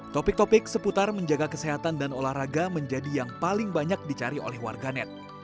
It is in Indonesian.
topik topik seputar menjaga kesehatan dan olahraga menjadi yang paling banyak dicari oleh warganet